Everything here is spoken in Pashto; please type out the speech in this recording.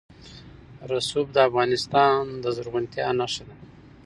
رسوب د افغانستان د زرغونتیا نښه ده.